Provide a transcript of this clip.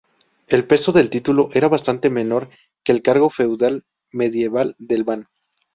El peso del título era bastante menor que el cargo feudal medieval del ban.